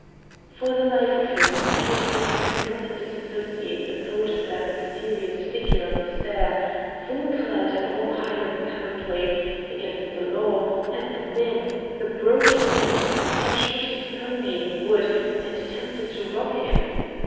For the life of him, Count Victor could not disassociate the thought of that mysterious figure on the stair, full clad in all Highland panoply against the law, and the men the broken men who had shot his pony in the wood and attempted to rob him.